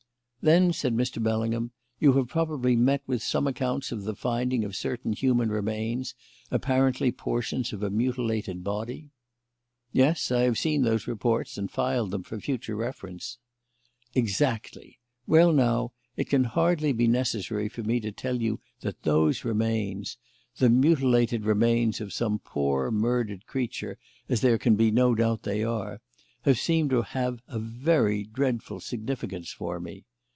"Then," said Mr. Bellingham, "you have probably met with some accounts of the finding of certain human remains, apparently portions of a mutilated body?" "Yes, I have seen those reports and filed them for future reference." "Exactly. Well, now, it can hardly be necessary for me to tell you that those remains the mutilated remains of some poor murdered creature, as there can be no doubt they are have seemed to have a very dreadful significance for me.